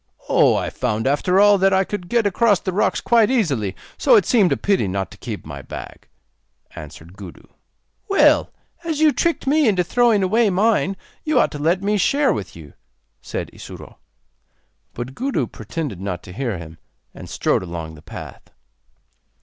'Oh, I found after all that I could get across the rocks quite easily, so it seemed a pity not to keep my bag,' answered Gudu. 'Well, as you tricked me into throwing away mine, you ought to let me share with you,' said Isuro. But Gudu pretended not to hear him, and strode along the path.